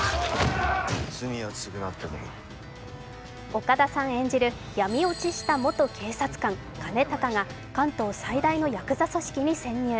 岡田さん演じる闇堕ちした元警察官・兼高が関東最大のやくざ組織に潜入。